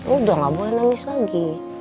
udah gak boleh nangis lagi